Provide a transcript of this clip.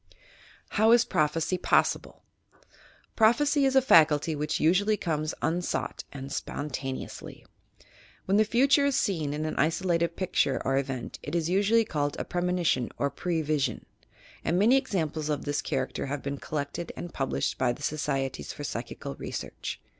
HOW IS PEOPHECY POSSIBLE t Prophecy is a faculty which usually comes unsought and spontaneously. When the future is seen in an isolated picture or event, it is usually called a premoni tion or pre vis ion, and many examples of this character have been collected and published by the Societies for Psychical Research.